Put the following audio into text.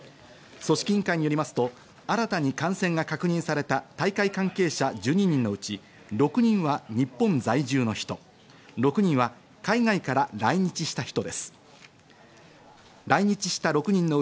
組織委員会によりますと、新たに感染が確認された大会関係者１２人のうち、６人は日本在住の人、６人は海外から来日した人です。